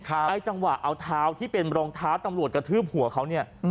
ไอ้จังหวะเอาเท้าที่เป็นรองเท้าตำรวจกระทืบหัวเขาเนี่ย